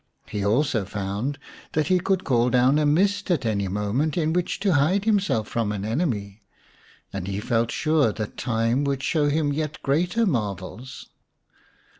He also found that he could call down a mist at any moment in which to hide himself from an enemy, and he felt sure that time would show him yet greater marvels.